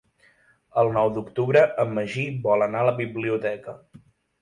El nou d'octubre en Magí vol anar a la biblioteca.